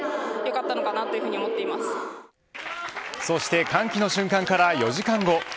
そして歓喜の瞬間から４時間後。